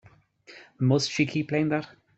Must she keep playing that?